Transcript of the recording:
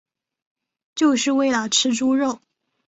就是为了吃猪肉